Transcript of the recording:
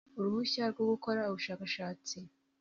Uruhushya rwo gukora ubushakashatsi